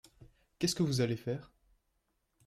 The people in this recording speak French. Qu’est-ce que vous allez faire ?